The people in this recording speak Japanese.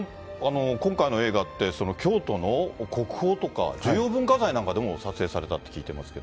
今回の映画って、京都の国宝とか、重要文化財とかでも撮影されたって聞いてますけど。